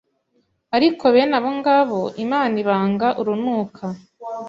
ariko bene abongabo Imana ibanga urunuka